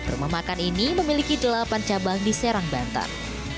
rumah makan ini memiliki delapan cabang di serang banten